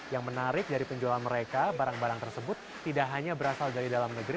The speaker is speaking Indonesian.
yang menarik dari penjualan mereka barang barang tersebut tidak hanya berasal dari dalam negeri